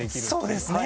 そうですね。